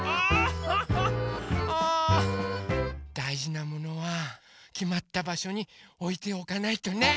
だいじなものはきまったばしょにおいておかないとね！